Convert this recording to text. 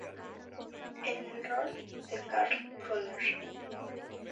En el rol de Carl Brunner.